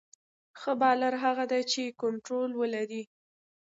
ښه بالر هغه دئ، چي کنټرول ولري.